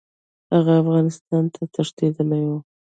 هغه افغانستان ته تښتېدلی وو.